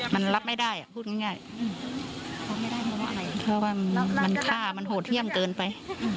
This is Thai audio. มันรับไม่ได้อะพูดง่ายว่ามันฆ่ามันโหดเที่ยมเกินไป